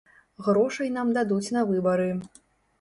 Грошай нам дадуць на выбары.